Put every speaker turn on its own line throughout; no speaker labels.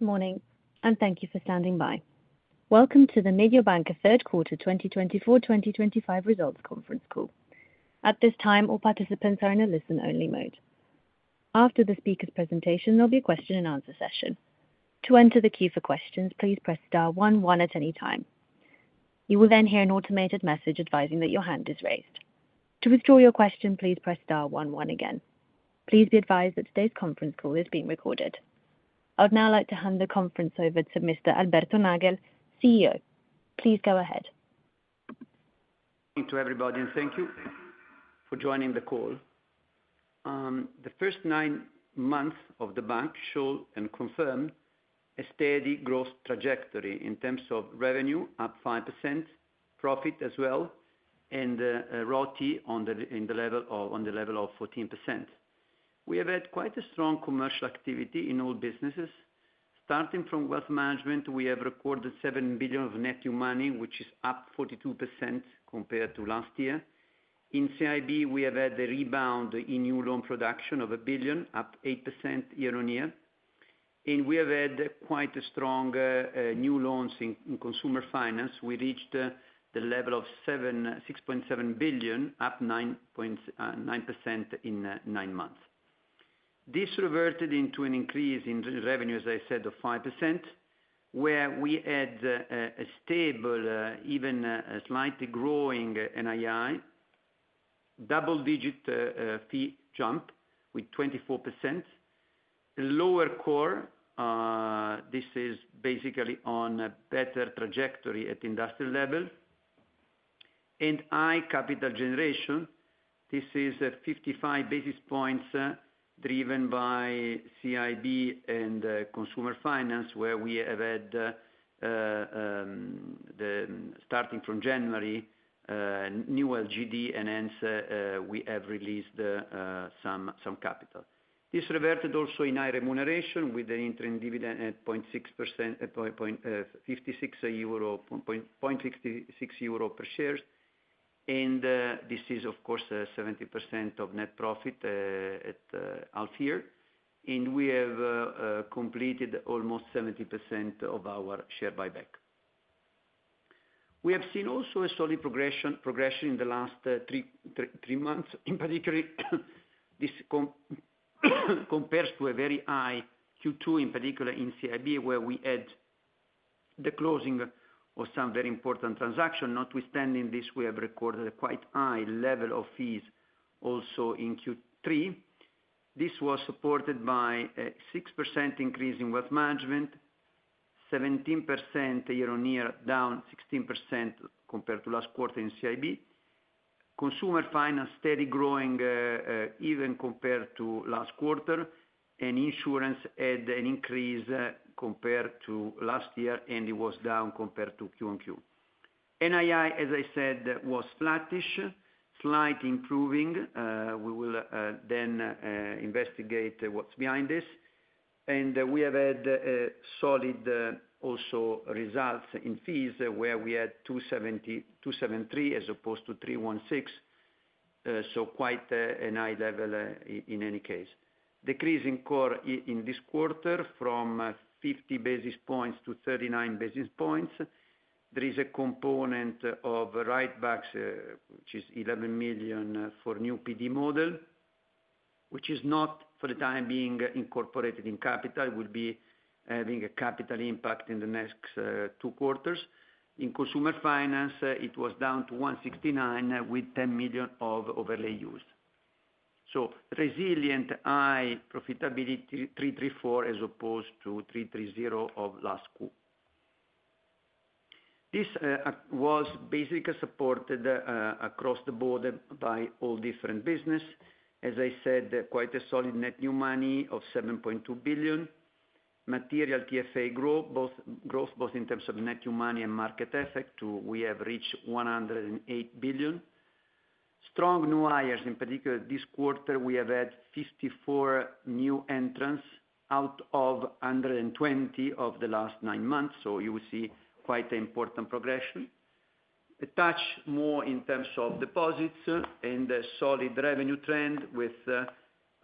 Good morning, and thank you for standing by. Welcome to the Mediobanca Q3 2024-2025 results conference call. At this time, all participants are in a listen-only mode. After the speaker's presentation, there'll be a question-and-answer session. To enter the queue for questions, please press star 11 at any time. You will then hear an automated message advising that your hand is raised. To withdraw your question, please press star one one again. Please be advised that today's conference call is being recorded. I'd now like to hand the conference over to Mr. Alberto Nagel, CEO. Please go ahead.
To everybody, and thank you for joining the call. The first CoR months of the bank show and confirm a steady growth trajectory in terms of revenue, up 5%, profit as well, and ROTE on the level of 14%. We have had quite a strong commercial activity in all businesses. Starting from Wealth Management, we have recorded 7 billion of net new money, which is up 42% compared to last year. In CIB, we have had a rebound in new loan production of 1 billion, up 8% year on year. We have had quite strong new loans in Consumer Finance. We reached the level of 6.7 billion, up 9% in 9 months. This reverted into an increase in revenue, as I said, of 5%, where we had a stable, even slightly growing NII, double-digit fee jump with 24%. Lower CoR, this is basically on a better trajectory at the industrial level. High capital generation, this is 55 basis points driven by CIB and Consumer Finance, where we have had the -- starting from January, new LGD, and hence we have released some capital. This reverted also in high remuneration with an interim dividend at 0.60% -- EUR 0.66 per share. This is, of course, 70% of net profit at half year and we have completed almost 70% of our share buyback. We have seen also a solid progression in the last three months, in particular, this compares to a very high Q2 in particular, in CIB, where we had the closing of some very important transactions. Notwithstanding this, we have recorded a quite high level of fees also in Q3. This was supported by a 6% increase in Wealth Management, 17% year on year, down 16% compared to last quarter in CIB. Consumer Finance steady growing even compared to last quarter and insurance had an increase compared to last year, and it was down compared to Q-on-Q. NII, as I said, was flattish, slight improving. We will then investigate what's behind this. We have had solid also results in fees, where we had 273 million as opposed to 316 million, so quite a high level in any case. Decrease in CoR in this quarter from 50 basis points to 39 basis points. There is a component of write-back, which is 11 million for new PD model, which is not for the time being incorporated in capital. It will be having a capital impact in the next 2 quarters. In Consumer Finance, it was down to 169 with 10 million of overlay used. So resilient, high profitability, 334 as opposed to 330 of last quarter. This was basically supported across the board by all different businesses. As I said, quite a solid net new money of 7.2 billion. Material TFA growth, both in terms of net new money and market effect, we have reached 108 billion. Strong new hires. In particular, this quarter, we have had 54 new entrants out of 120 of the last 9 months. You will see quite an important progression. A touch more in terms of deposits and a solid revenue trend with 7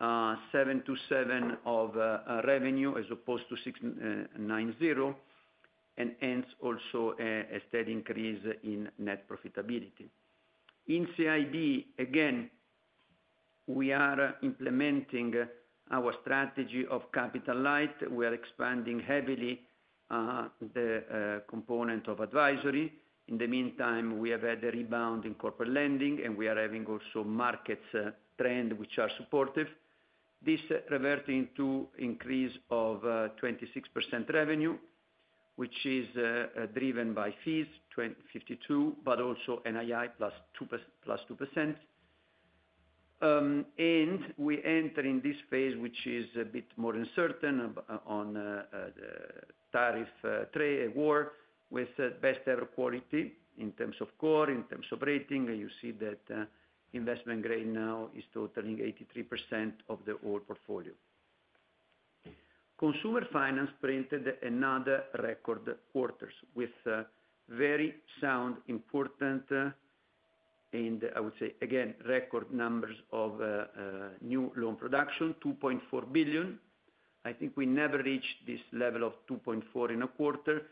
to 7 of revenue as opposed to 90, and hence also a steady increase in net profitability. In CIB, again, we are implementing our strategy of capital light. We are expanding heavily the component of advisory. In the meantime, we have had a rebound in corporate lending, and we are having also markets trend, which are supportive. This reverted into an increase of 26% revenue, which is driven by fees, 52, but also NII plus 2%. We enter in this phase, which is a bit more uncertain on tariff war with best ever quality in terms of CoR, in terms of rating. You see that investment grade now is totaling 83% of the whole portfolio. Consumer Finance printed another record quarter with very sound, important, and I would say, again, record numbers of new loan production, 2.4 billion. I think we never reached this level of 2.4 billion in a quarter.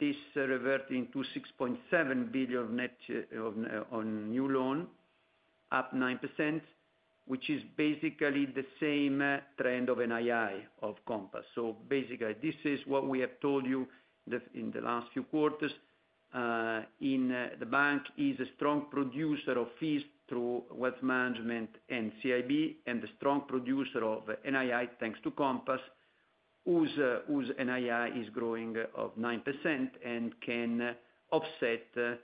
This reverted into 6.7 billion on new loan, up 9%, which is basically the same trend of NII of Compass. Basically, this is what we have told you in the last few quarters. The bank is a strong producer of fees through Wealth Management and CIB, and a strong producer of NII thanks to Compass, whose NII is growing 9% and can offset,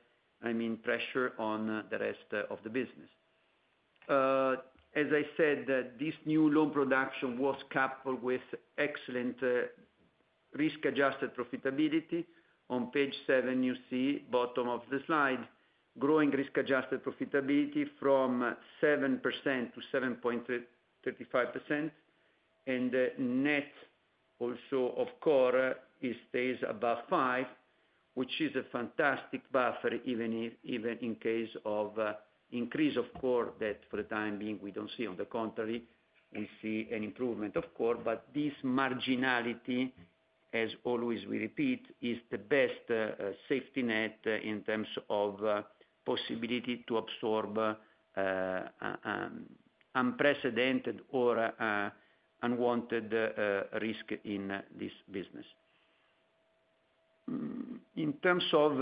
I mean, pressure on the rest of the business. As I said, this new loan production was coupled with excellent risk-adjusted profitability. On Consumer Finance seven, you see bottom of the slide, growing risk-adjusted profitability from 7% to 7.35%. And net also of CoR stays above 5%, which is a fantastic buffer even in case of increase of CoR that for the time being we do not see. On the contrary, we see an improvement of CoR but this marginality as always we repeat, is the best safety net in terms of possibility to absorb unprecedented or unwanted risk in this business. In terms of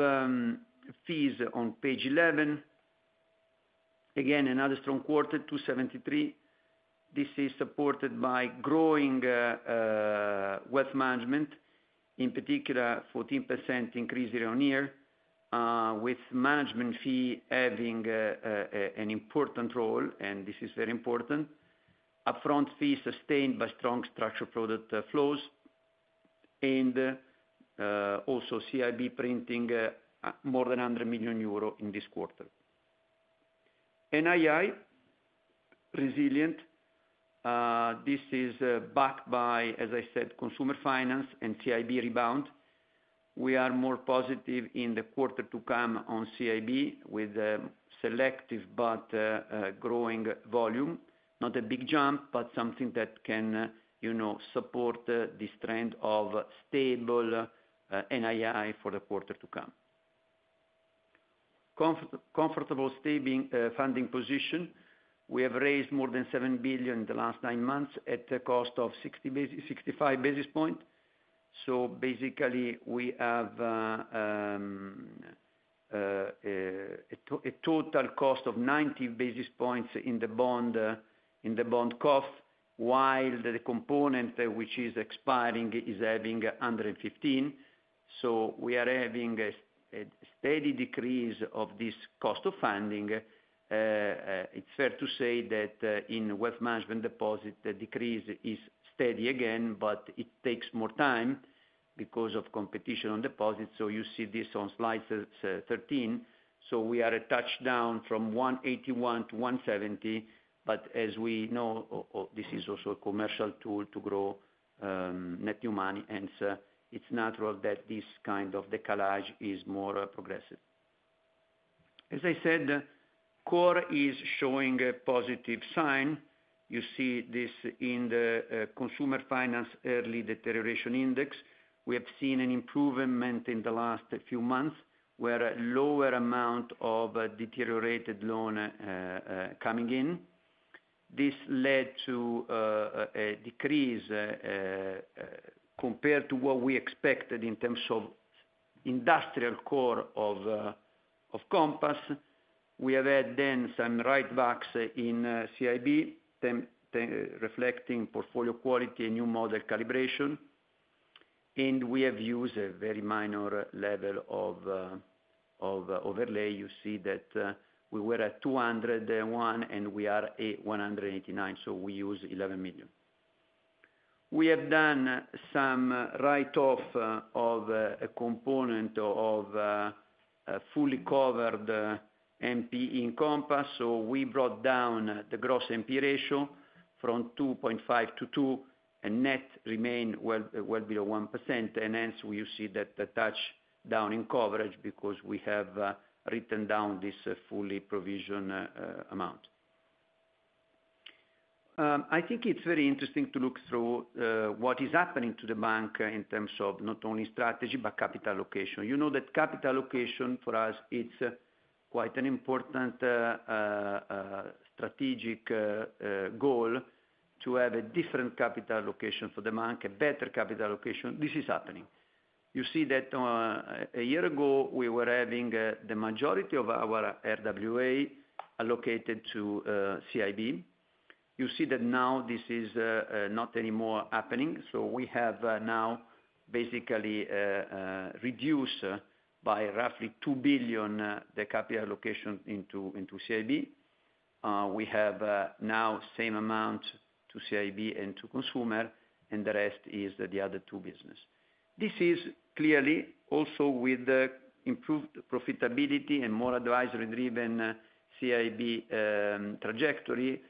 fees on Consumer Finance 11, again, another strong quarter, 273 million. This is supported by growing Wealth Management, in particular 14% increase year on year, with management fee having an important role, and this is very important. Upfront fees sustained by strong structured product flows and also CIB printing more than 100 million euro in this quarter. NII resilient. This is backed by, as I said, Consumer Finance and CIB rebound. We are more positive in the quarter to come on CIB with selective but growing volume. Not a big jump, but something that can support this trend of stable NII for the quarter to come. Comfortable funding position. We have raised more than 7 billion in the last 9 months at a cost of 65 basis points. So basically, we have a total cost of 90 basis points in the bond cost, while the component which is expiring is having 115.We are having a steady decrease of this cost of funding. It's fair to say that in Wealth Management deposit, the decrease is steady again, but it takes more time because of competition on deposits. You see this on slide 13. We are a touchdown from 1.81% to 1.70%. But as we know, this is also a commercial tool to grow net new money and it's natural that this kind of decalage is more progressive. As I said, CoR is showing a positive sign. You see this in the Consumer Finance early deterioration index. We have seen an improvement in the last few months where a lower amount of deteriorated loan coming in. This led to a decrease compared to what we expected in terms of industrial CoR of Compass. We have had then some write-backs in CIB, reflecting portfolio quality and new model calibration. We have used a very minor level of overlay. You see that we were at 201 million, and we are at 189 so we used 11 million. We have done some write-off of a component of fully covered NPL in Compass. We brought down the gross NPL ratio from 2.5% to 2%, and net remained well below 1%. And hence, you see that touchdown in coverage because we have written down this fully provisioned amount. I think it is very interesting to look through what is happening to the bank in terms of not only strategy but capital allocation. You know that capital allocation for us, it is quite an important strategic goal to have a different capital allocation for the bank, a better capital allocation. This is happening. You see that a year ago, we were having the majority of our RWA allocated to CIB. You see that now this is not anymore happening. We have now basically reduced by roughly 2 billion the capital allocation into CIB. We have now same amount to CIB and to consumer, and the rest is the other 2 businesses. This is clearly also with improved profitability and more advisory-driven CIB trajectory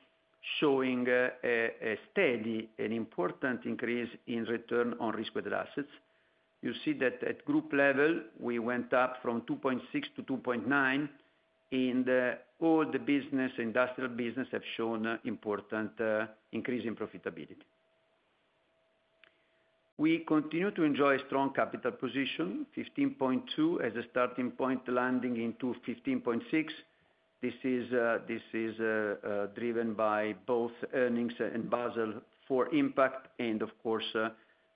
showing a steady and important increase in return on risk with assets. You see that at group level, we went up from 2.6 % to 2.9 %, and all the business, industrial business have shown important increase in profitability. We continue to enjoy a strong capital position, 15.2 % as a starting point, landing into 15.6 %. This is driven by both earnings and Basel IV impact, and of course,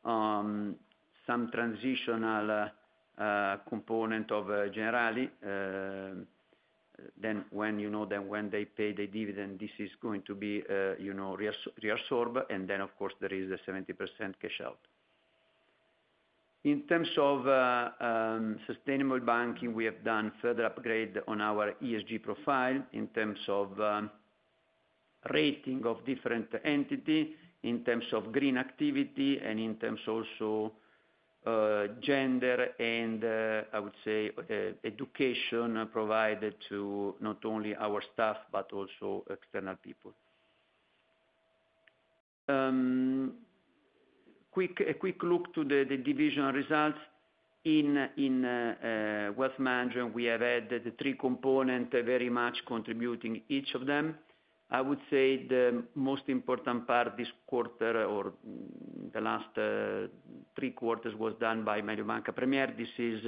some transitional component of Generali. You know that when they pay the dividend, this is going to be reabsorbed. There is the 70% cash out. In terms of sustainable banking, we have done further upgrade on our ESG profile in terms of rating of different entities, in terms of green activity, and in terms also of gender and, I would say, education provided to not only our staff but also external people. A quick look to the division results. In Wealth Management, we have had the three components very much contributing, each of them. I would say the most important part this quarter or the last three quarters was done by Mediobanca Premier. This is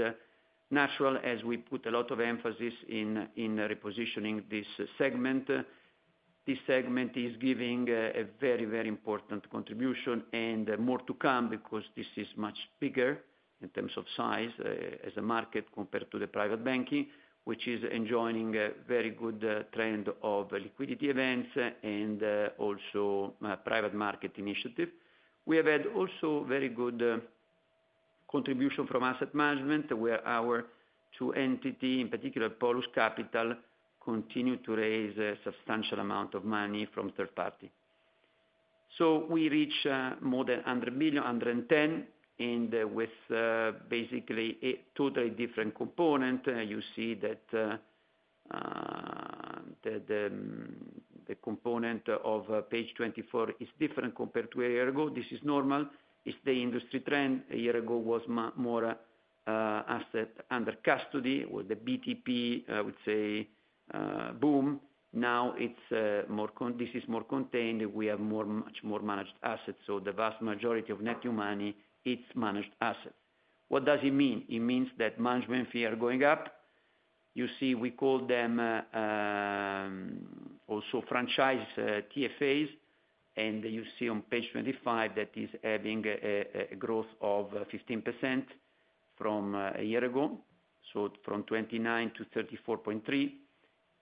natural, as we put a lot of emphasis in repositioning this segment. This segment is giving a very, very important contribution and more to come because this is much bigger in terms of size as a market compared to the private banking, which is enjoying a very good trend of liquidity events and also private market initiative. We have had also very good contribution from asset management, where our two entities, in particular Polus Capital, continue to raise a substantial amount of money from third party. So we reach more than 100 million, 110 million, and with basically a totally different component. You see that the component of Page 24 is different compared to a year ago. This is normal. It is the industry trend a year ago, it was more asset under custody with the BTP, I would say, boom. Now it's more -- this is more contained. We have much more managed assets. The vast majority of net new money, it is managed assets. What does it mean? It means that management fee are going up. You see, we call them also franchise TFAs. You see on Page 25 that is having a growth of 15% from a year ago, so from 29 billion to 34.3 billion.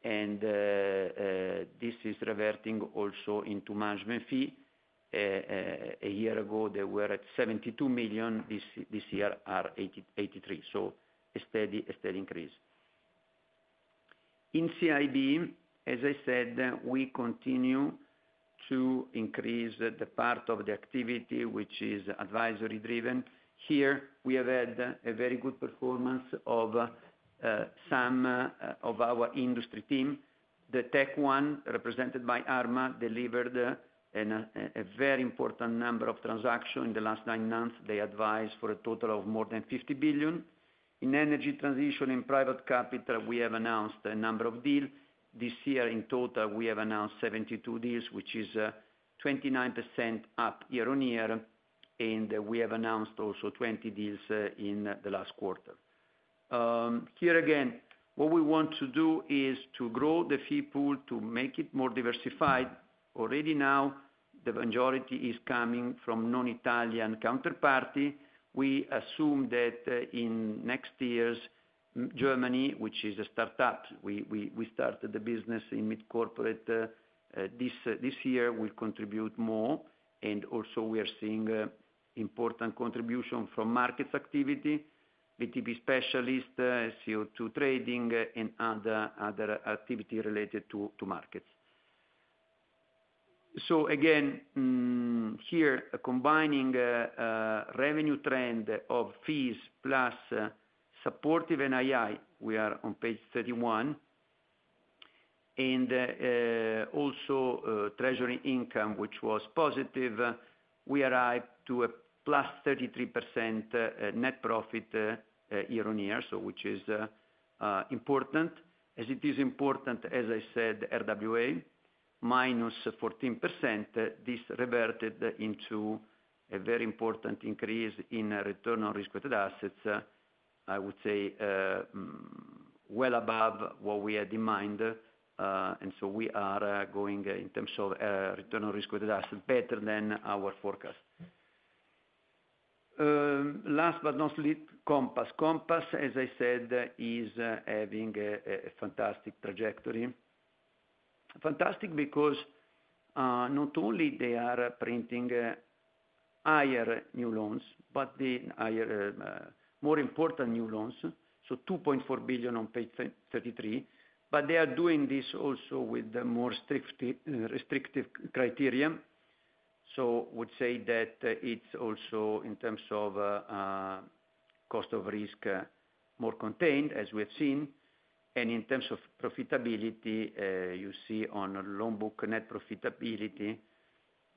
And this is reverting also into management fee. A year ago, they were at 72 million. This year are 83 million. A steady increase. In CIB, as I said, we continue to increase the part of the activity, which is advisory driven. Here, we have had a very good performance of some of our industry team. The tech one, represented by Arma, delivered a very important number of transaction e last 9 months. They advised for a total of more than 50 billion. In energy transition and private capital, we have announced a number of deals. This year, in total, we have announced 72 deals, which is 29% up year on year. We have announced also 20 deals in the last quarter. Here again, what we want to do is to grow the fee pool to make it more diversified. Already now, the majority is coming from non-Italian counterparty. We assume that in next years, Germany, which is a startup, we started the business in mid-corporate. This year, will contribute more. We are seeing important contribution from markets activity, BTP specialist, CO2 trading, and other activity related to markets. Here, combining revenue trend of fees plus supportive NII, we are on Page 31. And also treasury income, which was positive, we arrived to a plus 33% net profit year on year, which is important. As it is important, as I said, RWA, minus 14%. This reverted into a very important increase in return on risk-weighted assets. I would say well above what we had in mind. We are going in terms of return on risk with assets better than our forecast. Last but not least, Compass. Compass, as I said, is having a fantastic trajectory. Fantastic because not only they are printing higher new loans, but the more important new loans. 2.4 billion on Page 33, but hey are doing this also with the more restrictive criteria. I would say that it is also in terms of cost of risk, more contained, as we have seen. In terms of profitability, you see on loan book net profitability,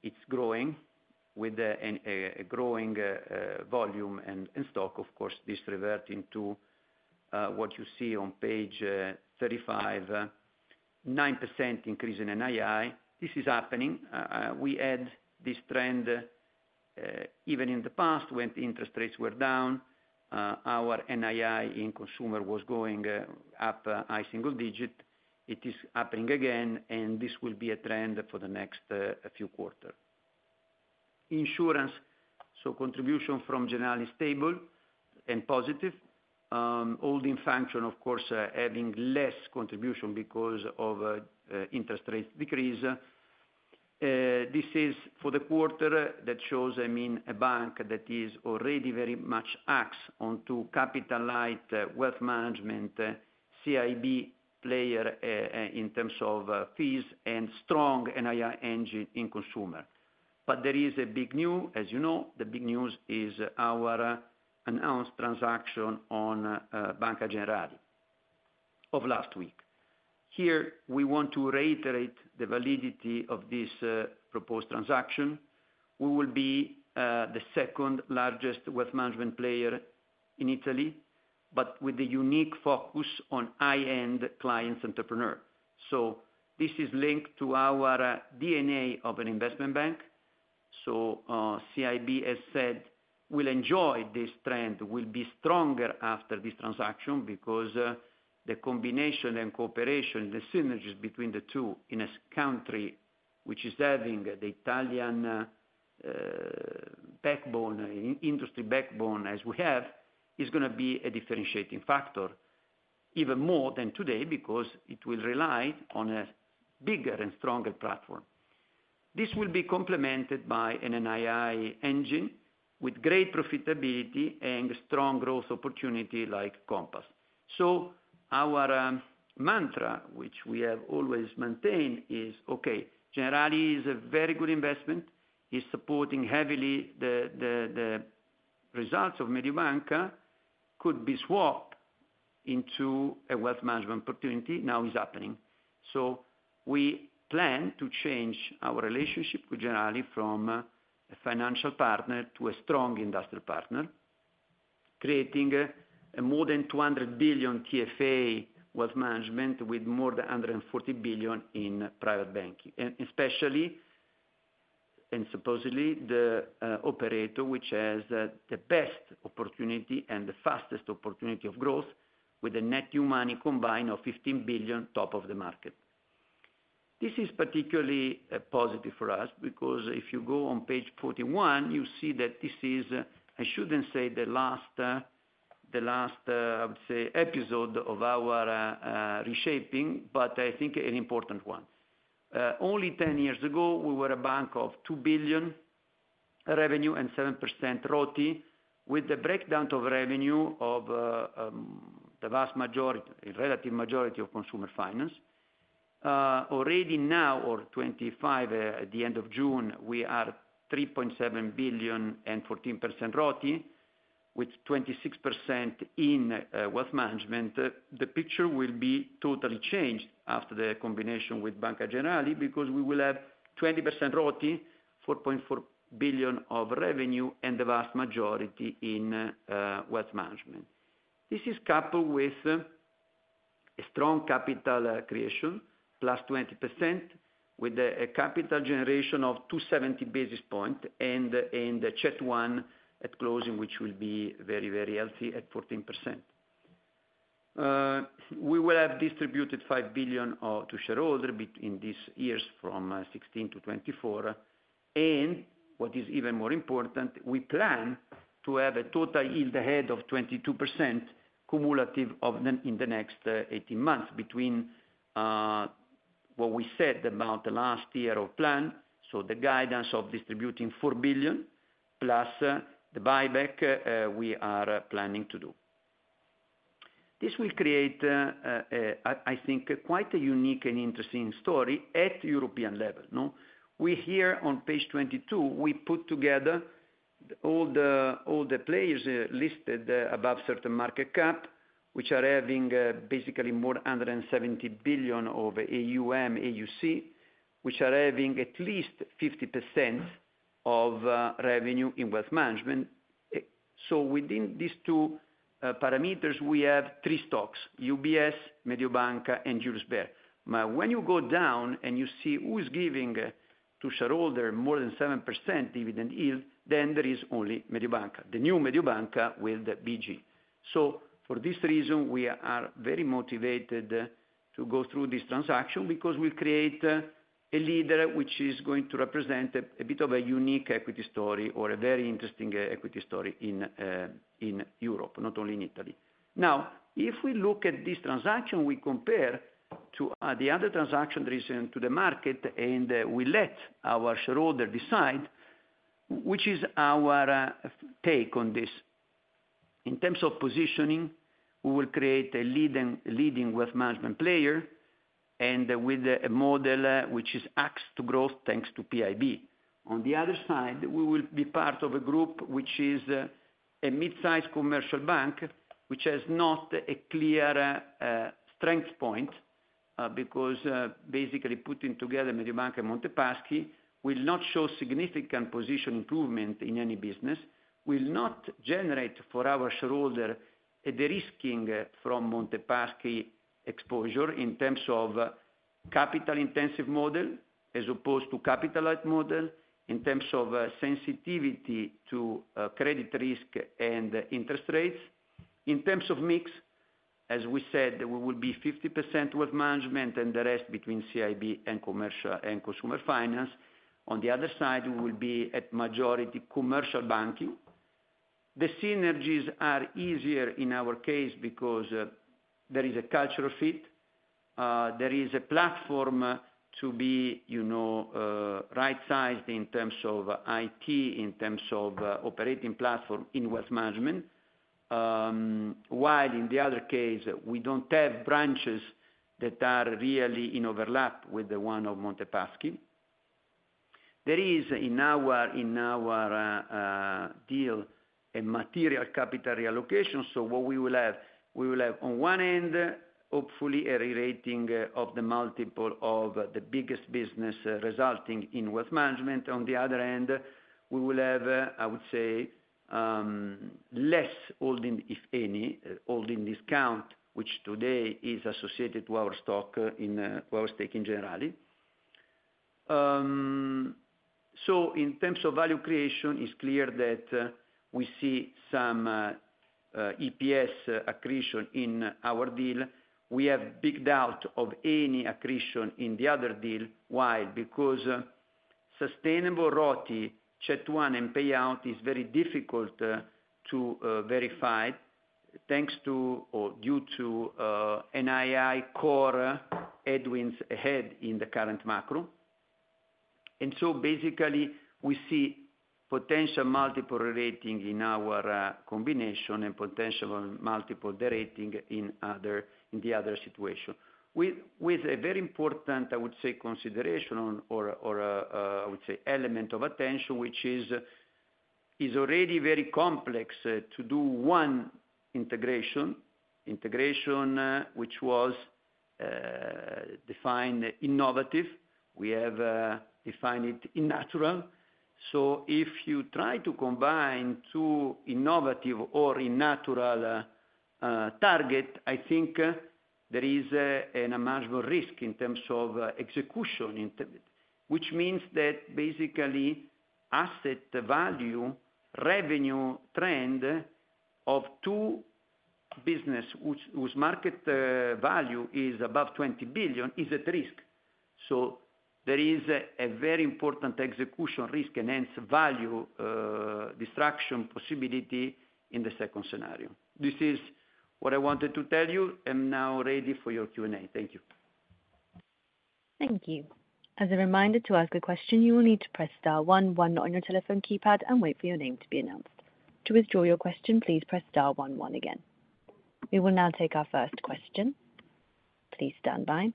it's growing with a growing volume and stock. Of course, this reverting to what you see on Page 35, 9% increase in NII. This is happening. We had this trend even in the past when interest rates were down. Our NII in consumer was going up a single digit. It is happening again, and this will be a trend for the next few quarters. Insurance, so contribution from Generali is stable and positive, holding function, of course, having less contribution because of interest rate decrease. This is for the quarter that shows, I mean, a bank that is already very much axed onto capital-light Wealth Management, CIB player in terms of fees, and strong NII engine in consumer. But there is a big news. As you know. The big news is our announced transaction on Banca Generali of last week. Here, we want to reiterate the validity of this proposed transaction. We will be the second largest Wealth Management player in Italy, but with the unique focus on high-end clients entrepreneur. This is linked to our DNA of an investment bank. So CIB has said, will enjoy this trend. We'll be stronger after this transaction because the combination and cooperation, the synergies between the 2 in a country which is having the Italian backbone, industry backbone as we have, is going to be a differentiating factor, even more than today because it will rely on a bigger and stronger platform. This will be complemented by an NII engine with great profitability and strong growth opportunity like Compass. So our mantra, which we have always maintained, is, okay, Generali is a very good investment, is supporting heavily the results of Mediobanca could be swapped into a Wealth Management opportunity, now it's happening. So we plan to change our relationship with Generali from a financial partner to a strong industrial partner, creating a more than 200 billion TFA Wealth Management with more than 140 billion in private banking, and especially -- and supposedly the operator which has the best opportunity and the fastest opportunity of growth with a net new money combined of 15 billion top of the market. This is particularly positive for us because if you go on Page 41, you see that this is -- I shouldn't say the last, I would say, episode of our reshaping, but I think an important one. Only 10 years ago, we were a bank of 2 billion revenue and 7% ROTE, with the breakdown of revenue of the vast majority -- relative majority of Consumer Finance. Already now, or 2025 at the end of June, we are 3.7 billion and 14% ROTE, with 26% in Wealth Management. The picture will be totally changed after the combination with Banca Generali because we will have 20% ROTE, 4.4 billion of revenue, and the vast majority in Wealth Management. This is coupled with a strong capital creation, plus 20%, with a capital generation of 270 basis points and a CET1 at closing, which will be very, very healthy at 14%. We will have distributed 5 billion to shareholders in these years from '16 to '24. And what is even more important, we plan to have a total yield ahead of 22% cumulative in the next 18 months between what we said about the last year of plan. The guidance of distributing 4 billion plus the buyback we are planning to do. This will create, I think, quite a unique and interesting story at the European level. We here on Page 22, we put together all the players listed above certain market cap, which are having basically more 170 billion of AUM, AUC, which are having at least 50% of revenue in Wealth Management. So within these 2 parameters, we have 3 stocks: UBS, Mediobanca, and Julius Baer. Now, when you go down and you see who is giving to shareholder more than 7% dividend yield, then there is only Mediobanca, the new Mediobanca with BG. For this reason, we are very motivated to go through this transaction because we'll create a leader which is going to represent a bit of a unique equity story or a very interesting equity story in Europe, not only in Italy. Now, if we look at this transaction, we compare to the other transaction reason to the market, and we let our shareholder decide, which is our take on this. In terms of positioning, we will create a leading Wealth Management player and with a model which is axed to growth thanks to PIB. On the other side, we will be part of a group which is a mid-size commercial bank, which has not a clear strength point because basically putting together Mediobanca and Monte Paschi will not show significant position improvement in any business, will not generate for our shareholder the risking from Monte Paschi exposure in terms of capital-intensive model as opposed to capital-light model in terms of sensitivity to credit risk and interest rates. In terms of mix, as we said, we will be 50% Wealth Management and the rest between CIB and Commercial -- Consumer Finance. On the other side, we will be at majority commercial banking. The synergies are easier in our case because there is a cultural fit. There is a platform to be rightsized in terms of IT, in terms of operating platform in Wealth Management. While in the other case, we do not have branches that are really in overlap with the one of Monte Paschi. There is in our deal a material capital reallocation. So what we will have, we will have on one end, hopefully, a rerating of the multiple of the biggest business resulting in Wealth Management. On the other end, we will have, I would say, less holding, if any, holding discount, which today is associated to our stock -- in our stake in Generali. So in terms of value creation, it is clear that we see some EPS accretion in our deal. We have big doubt of any accretion in the other deal Why? Because sustainable ROTE, CET 1 and payout is very difficult to verify, thanks to or due to NII CoR headwinds ahead in the current macro. And so basically, we see potential multiple rating in our combination and potential multiple rating in the other situation. With a very important, I would say, consideration or I would say element of attention, which is already very complex to do one integration, integration which was defined innovative. We have defined it in natural. If you try to combine 2 innovative or in natural targets, I think there is a management risk in terms of execution, which means that basically asset value, revenue trend of two business whose market value is above 20 billion is at risk. So there is a very important execution risk and hence value destruction possibility in the second scenario. This is what I wanted to tell you. I'm now ready for your Q&A. Thank you.
Thank you. As a reminder, to ask a question, you will need to press star one one on your telephone keypad and wait for your name to be announced. To withdraw your question, please press star 1, 1 again. We will now take our first question. Please stand by.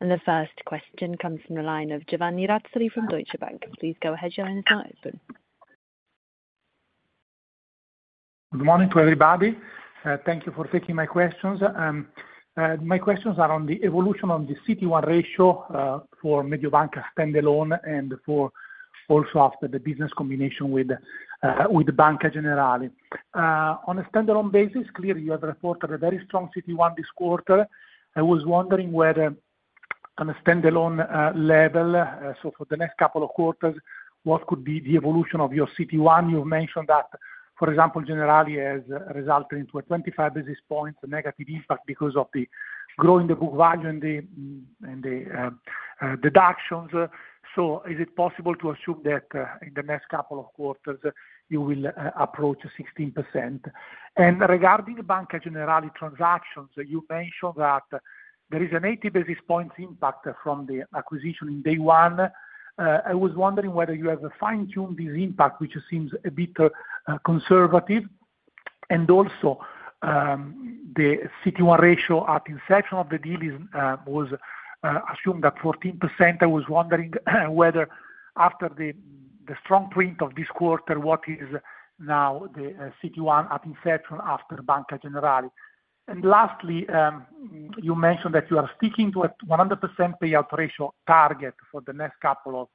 The first question comes from the line of Giovanni Razzoli from Deutsche Bank. Please go ahead, Giovanni. It's now open.
Good morning to everybody. Thank you for taking my questions. My questions are on the evolution of the CET1 ratio for Mediobanca stand-alone and for also after the business combination with Banca Generali. On a stand-alone basis, clearly you have reported a very strong CET1 this quarter. I was wondering whether on a standalone level, so for the next couple of quarters, what could be the evolution of your CET1? You have mentioned that, for example, Generali has resulted into a 25 basis points negative impact because of the growing book value and the deductions. So is it possible to assume that in the next couple of quarters you will approach 16%? Regarding Banca Generali transactions, you mentioned that there is an 80 basis points impact from the acquisition in day one. I was wondering whether you have fine-tuned this impact, which seems a bit conservative. And also, the CET1 ratio at inception of the deal was assumed at 14%. I was wondering whether after the strong print of this quarter, what is now the CET1 at inception after Banca Generali. And lastly, you mentioned that you are sticking to a 100% payout ratio target for the next couple of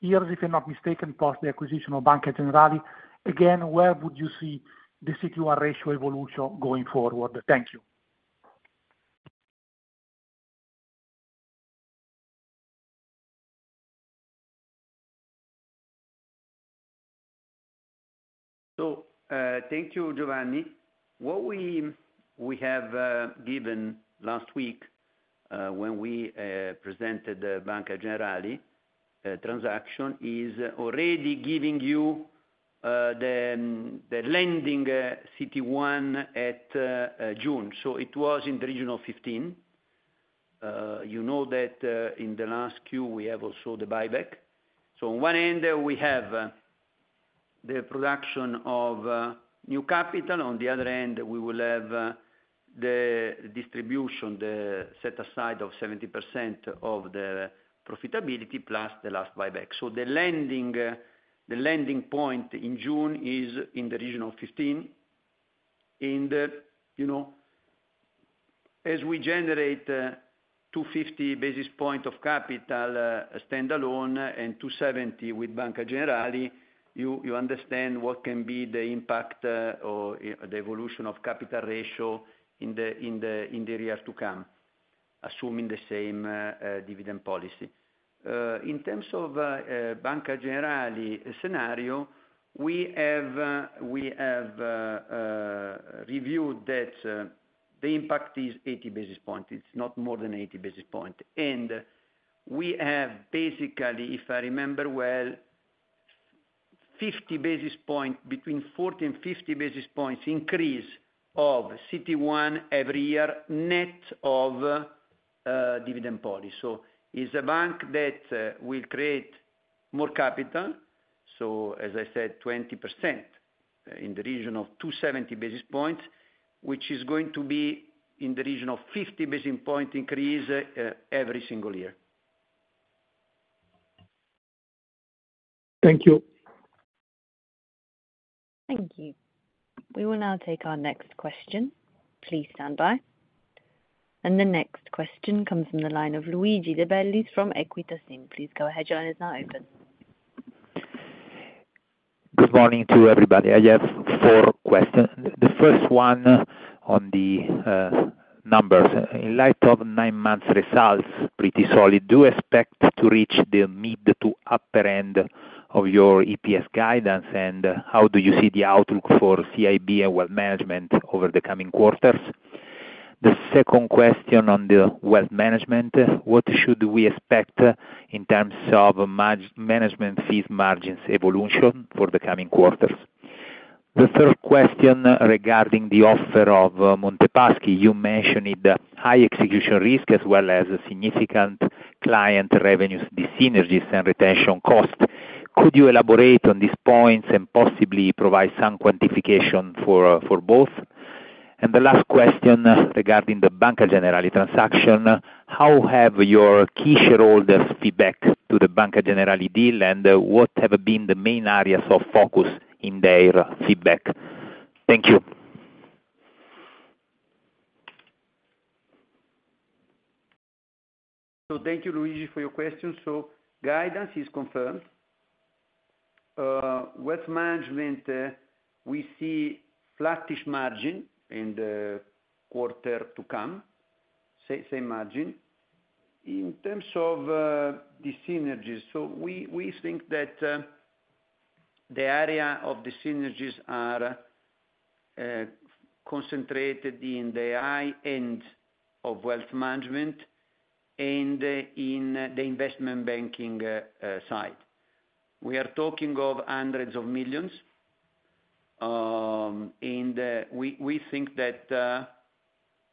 years, if I'm not mistaken, post the acquisition of Banca Generali, again, where would you see the CET1 ratio evolution going forward? Thank you.
So thank you, Giovanni. What we have given last week when we presented the Banca Generali transaction is already giving you the lending CET1 at June. It was in the region of 15%. You know that in the last Q we have also the buyback. So on one end, we have the production of new capital. On the other end, we will have the distribution, the set aside of 70% of the profitability plus the last buyback. So the landing point in June is in the region of 15%. As we generate 250 basis points of capital standalone and 270 with Banca Generali, you understand what can be the impact or the evolution of capital ratio in the year to come, assuming the same dividend policy. In terms of the Banca Generali scenario, we have reviewed that the impact is 80 basis points. It is not more than 80 basis points. And we have basically, if I remember well, 50 basis points between 40 and 50 basis points increase of CET1 every year net of dividend policy. It is a bank that will create more capital. As I said, 20% in the region of 270 basis points, which is going to be in the region of 50 basis points increase every single year.
Thank you.
Thank you. We will now take our next question. Please stand by. The next question comes from the line of Luigi De Bellis from Equita SIM. Please go ahead, Luigi. It is now open.
Good morning to everybody. I have 4 questions. The first one on the numbers. In light of 9 months results, pretty solid. Do you expect to reach the mid to upper end of your EPS guidance, and how do you see the outlook for CIB and Wealth Management over the coming quarters? The second question on the Wealth Management, what should we expect in terms of management fees margins evolution for the coming quarters? The third question regarding the offer of Monte Paschi, you mentioned high execution risk as well as significant client revenues, the synergies and retention cost. Could you elaborate on these points and possibly provide some quantification for both? The last question regarding the Banca Generali transaction. How have your key shareholders' feedback to the Banca Generali deal, and what have been the main areas of focus in their feedback? Thank you.
Thank you, Luigi, for your questions. So guidance is confirmed. Wealth Management, we see flattish margin in the quarter to come, same margin. In terms of the synergies, we think that the area of the synergies are concentrated in the high end of Wealth Management and in the investment banking side. We are talking of hundreds of millions. And we think that --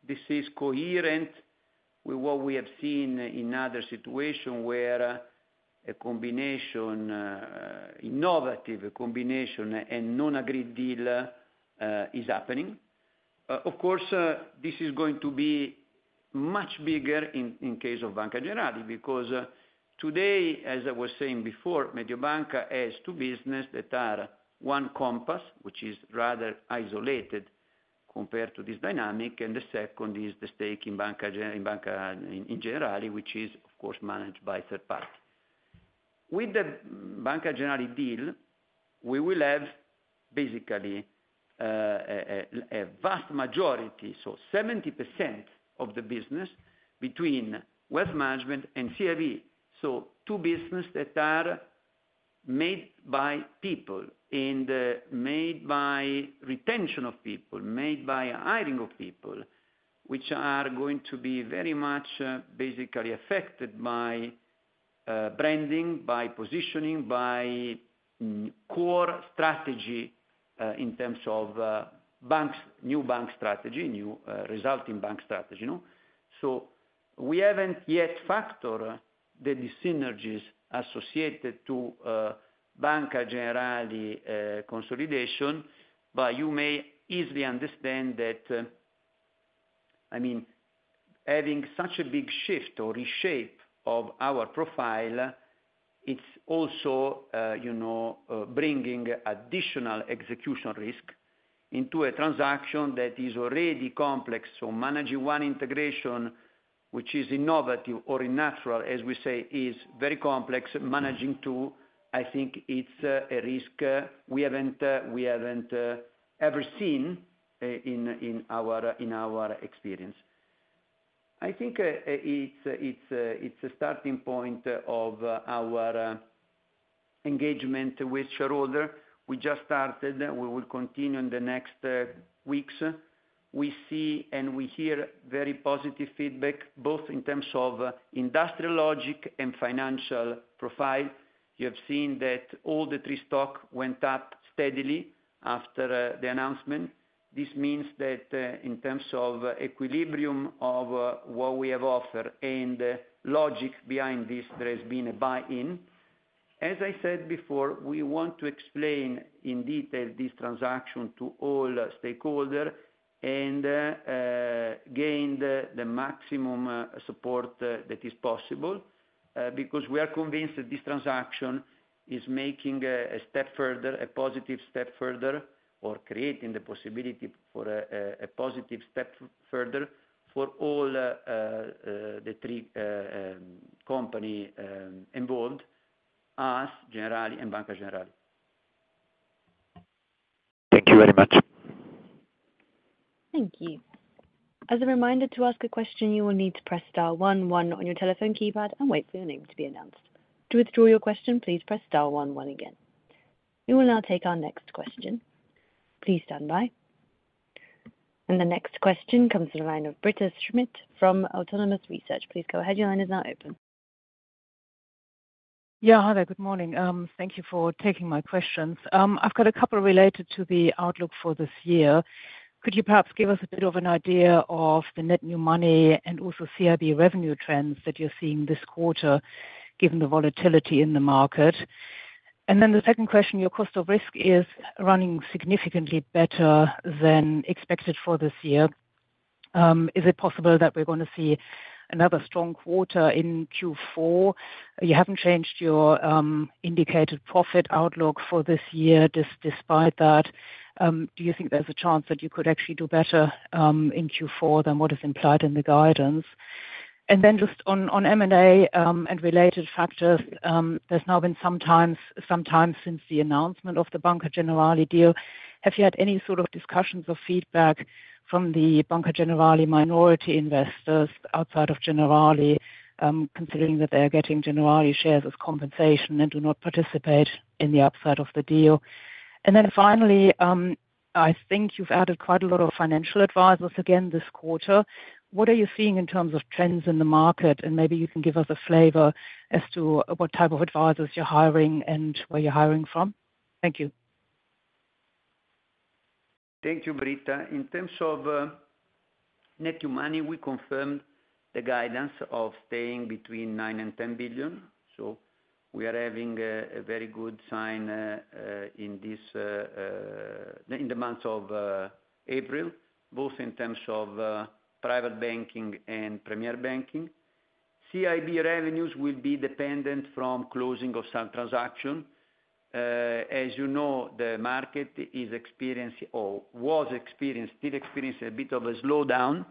this is coherent with what we have seen in other situations where a combination -- innovative combination and non-agreed deal is happening. Of course, this is going to be much bigger in case of Banca Generali because today, as I was saying before, Mediobanca has two businesses that are one Compass, which is rather isolated compared to this dynamic, and the second is the stake in Banca Generali, which is, of course, managed by third party. With the Banca Generali deal, we will have basically a vast majority, so 70% of the business between Wealth Management and CIB. Two businesses that are made by people and made by retention of people, made by hiring of people, which are going to be very much basically affected by branding, by positioning, by CoR strategy in terms of new bank strategy, new resulting bank strategy. So we haven't yet factored the dis-synergies associated to Banca Generali consolidation, but you may easily understand that, I mean, having such a big shift or reshape of our profile, it is also bringing additional execution risk into a transaction that is already complex. So managing one integration, which is innovative or in natural, as we say, is very complex. Managing 2, I think it is a risk we have not ever seen in our experience. I think it is a starting point of our engagement with shareholders. We just started. We will continue in the next weeks. We see and we hear very positive feedback both in terms of industrial logic and financial profile. You have seen that all the 3 stock went up steadily after the announcement. This means that in terms of equilibrium of what we have offered and logic behind this, there has been a buy-in. As I said before, we want to explain in detail this transaction to all stakeholders and gain the maximum support that is possible because we are convinced that this transaction is making a step further, a positive step further or creating the possibility for a positive step further for all the 3 companies involved, us, Generali and Banca Generali.
Thank you very much.
Thank you. As a reminder to ask a question, you will need to press star one one on your telephone keypad and wait for your name to be announced. To withdraw your question, please press star one one again. We will now take our next question. Please stand by. The next question comes from the line of Britta Schmidt from Autonomous Research. Please go ahead. Your line is now open.
Yeah, hi, there. Good morning. Thank you for taking my questions. I've got a couple related to the outlook for this year. Could you perhaps give us a bit of an idea of the net new money and also CIB revenue trends that you're seeing this quarter given the volatility in the market? And then the second question, your cost of risk is running significantly better than expected for this year. Is it possible that we're going to see another strong quarter in Q4? You haven't changed your indicated profit outlook for this year despite that. Do you think there's a chance that you could actually do better in Q4 than what is implied in the guidance? Just on M&A and related factors, there's now been some time since the announcement of the Banca Generali deal. Have you had any sort of discussions or feedback from the Banca Generali minority investors outside of Generali, considering that they are getting Generali shares as compensation and do not participate in the upside of the deal? And then finally, I think you've added quite a lot of financial advisors again this quarter. What are you seeing in terms of trends in the market? And maybe you can give us a flavor as to what type of advisors you're hiring and where you're hiring from. Thank you.
Thank you, Britta. In terms of net new money, we confirmed the guidance of staying between 9 billion and 10 billion. So we are having a very good sign in this -- in the months of April, both in terms of private banking and premier banking. CIB revenues will be dependent on closing of some transactions. As you know, the market is experiencing or was experienced -- still experiencing a bit of a slowdown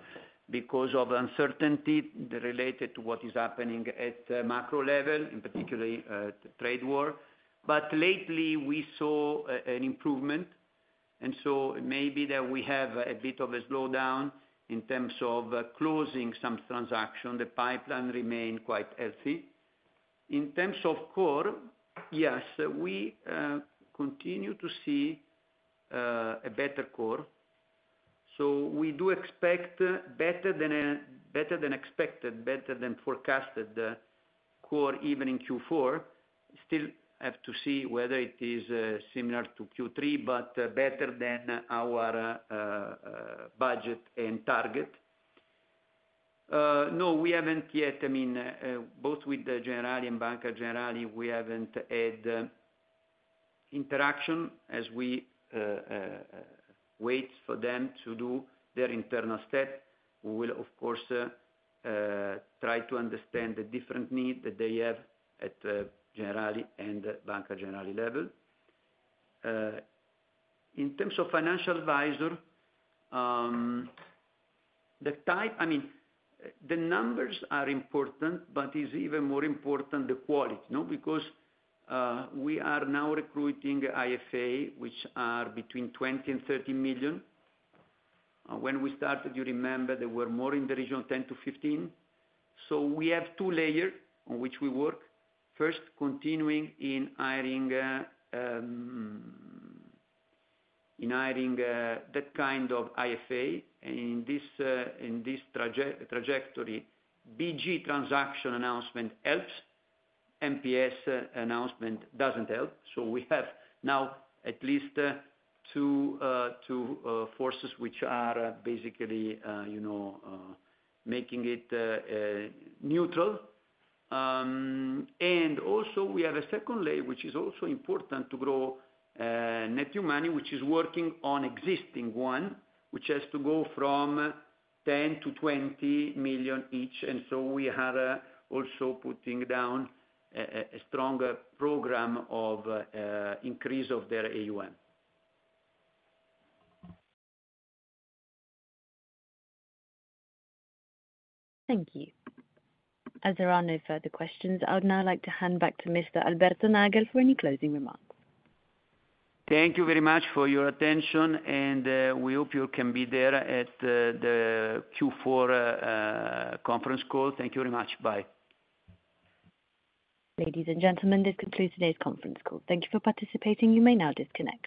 because of uncertainty related to what is happening at macro level, in particular trade war. But lately, we saw an improvement. It may be that we have a bit of a slowdown in terms of closing some transactions. The pipeline remained quite healthy. In terms of CoR, yes, we continue to see a better CoR. So we do expect better than expected, better than forecasted CoR even in Q4, still have to see whether it is similar to Q3, but better than our budget and target. No, we haven't yet. I mean, both with Generali and Banca Generali, we haven't had interaction as we wait for them to do their internal step. We'll, of course, try to understand the different needs that they have at Generali and Banca Generali level. In terms of financial advisor, the type -- I mean, the numbers are important, but it's even more important the quality because we are now recruiting IFA, which are between 20 million and 30 million. When we started, you remember there were more in the region of 10 million to 15 million. So we have 2 layers on which we work. First, continuing in hiring that kind of IFA in this trajectory, BG transaction announcement helps. MPS announcement doesn't help. We have now at least 2 forces, which are basically making it neutral and also, we have a secondly, which is also important to grow net new money, which is working on existing one, which has to go from 10 million to 20 million each. We are also putting down a stronger program of increase of their AUM.
Thank you. As there are no further questions, I would now like to hand back to Mr. Alberto Nagel for any closing remarks.
Thank you very much for your attention, and we hope you can be there at the Q4 conference call. Thank you very much. Bye.
Ladies and gentlemen, this concludes today's conference call. Thank you for participating. You may now disconnect.